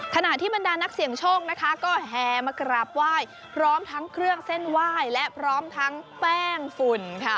ขณะที่บรรดานักเสี่ยงโชคนะคะก็แห่มากราบไหว้พร้อมทั้งเครื่องเส้นไหว้และพร้อมทั้งแป้งฝุ่นค่ะ